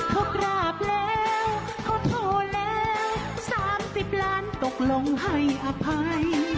เขากราบแล้วก็โทรแล้ว๓๐ล้านตกลงให้อภัย